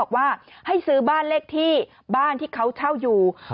บอกว่าให้ซื้อบ้านเลขที่บ้านที่เขาเช่าอยู่